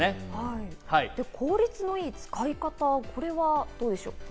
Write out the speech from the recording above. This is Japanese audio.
効率の良い使い方、これはどうでしょう？